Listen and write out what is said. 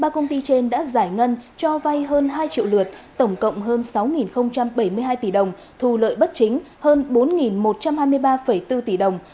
ba công ty trên đã giải ngân cho vay hơn hai triệu lượt tổng cộng hơn sáu bảy mươi hai tỷ đồng thu lợi bất chính hơn bốn một trăm hai mươi ba bốn tỷ đồng